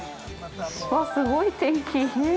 わっ、すごい天気。